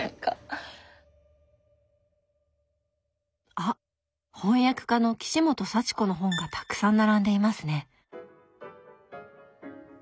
あっ翻訳家の岸本佐知子の本がたくさん並んでいますね。